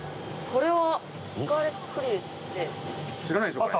これは。